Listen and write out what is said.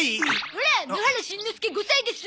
オラ野原しんのすけ５歳です！